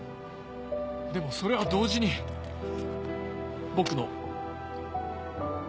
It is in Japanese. でもそれは同時に僕の。